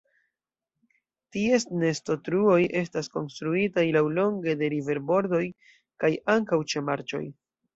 Ties nestotruoj estas konstruitaj laŭlonge de riverbordoj, kaj ankaŭ ĉe marĉoj.